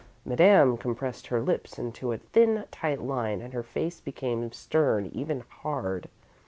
Madame compressed her lips into a thin, tight line, and her face became stern, even hard.